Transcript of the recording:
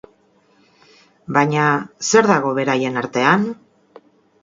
Baina, zer dago beraien artean?